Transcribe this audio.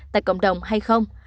tại cộng đồng hay không